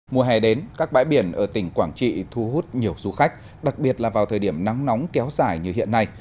mùa hè đến các bãi biển ở tỉnh quảng trị thu hút nhiều du khách đặc biệt là vào thời điểm nắng nóng kéo dài như hiện nay